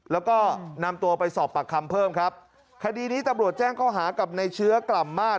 แล้วก็นำตัวไปสอบปากคำเพิ่มครับคดีนี้ตำรวจแจ้งข้อหากับในเชื้อกล่ำมาตร